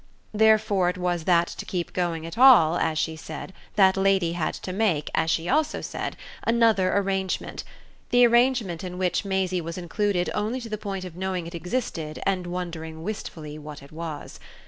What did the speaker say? Therefore it was that to keep going at all, as she said, that lady had to make, as she also said, another arrangement the arrangement in which Maisie was included only to the point of knowing it existed and wondering wistfully what it was.